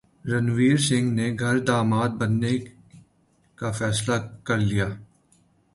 رنویر سنگھ نے گھر داماد بننے کا فیصلہ کر لیا